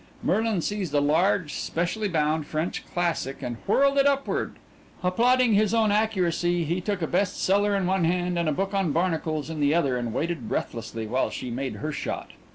Merlin seized a large, specially bound French classic and whirled it upward. Applauding his own accuracy, he took a best seller in one hand and a book on barnacles in the other, and waited breathlessly while she made her shot.